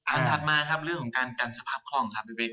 ถัดมาครับเรื่องของการกันสภาพคล่องครับพี่บิ๊ก